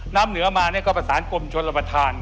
น้ำเหนือมาเนี่ยก็ประสานกลมชนระบทาน